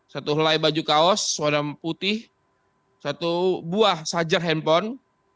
satu lay baju kaos warna putih satu buah sajak handphone